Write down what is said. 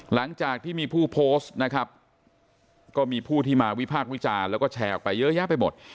หลังจากที่มีผู้โพสต์นะครับก็มีผู้ที่มาวิพากษ์วิจารณ์แล้วก็แชร์ออกไปเยอะแยะไปหมด